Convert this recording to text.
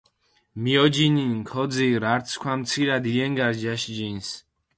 მიოჯინჷნი, ქოძირჷ ართი სქვამი ცირა დილენგარს ჯაში ჯინს.